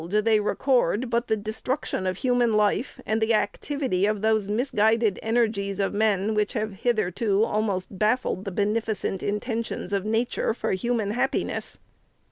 Existing libraries are owned they record but the destruction of human life, and the activity of those misguided energies of men, which have hitherto almost baffled the benefi cent intentions of Nature for human happiness